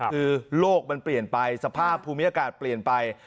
คือโลกมันเปลี่ยนไปสภาพภูมิอากาศเปลี่ยนไป